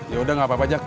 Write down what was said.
ya udah gak apa apa jack